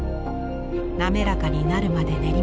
滑らかになるまで練ります。